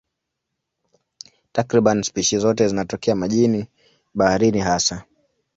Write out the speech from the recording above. Takriban spishi zote zinatokea majini, baharini hasa.